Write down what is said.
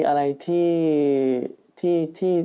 อะไรที่